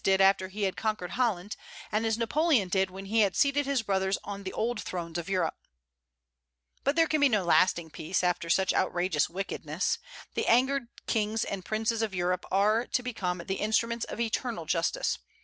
did after he had conquered Holland, and as Napoleon did when he had seated his brothers on the old thrones of Europe. But there can be no lasting peace after such outrageous wickedness. The angered kings and princes of Europe are to become the instruments of eternal justice.